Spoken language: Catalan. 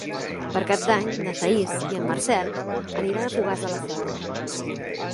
Per Cap d'Any na Thaís i en Marcel aniran a Fogars de la Selva.